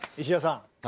石田さん。